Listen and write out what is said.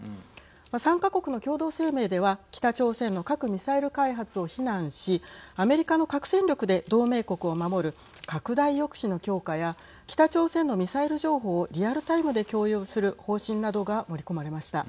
３か国の共同声明では北朝鮮の核・ミサイル開発を非難しアメリカの核戦力で同盟国を守る拡大抑止の強化や北朝鮮のミサイル情報をリアルタイムで共有する方針などが盛り込まれました。